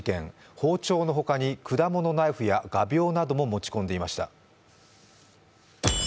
包丁のほかに果物ナイフや画びょうなども持ち込んでいました。